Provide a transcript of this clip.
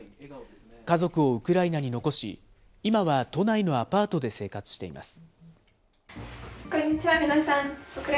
家族をウクライナに残し、今は都内のアパートで生活しています。